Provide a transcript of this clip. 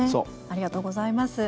ありがとうございます。